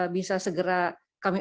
bisa segera kami